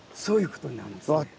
そういうことになるんですね。